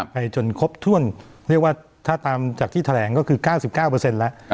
ไปจนครบถ้วนเรียกว่าถ้าตามจากที่แถลงก็คือ๙๙แล้ว